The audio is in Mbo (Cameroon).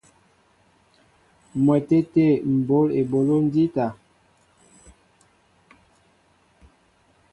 M̀wɛtê tê m̀ bǒl eboló jíta.